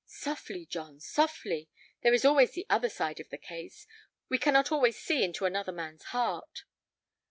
"Softly, John, softly. There is always the other side of the case; we cannot always see into another man's heart."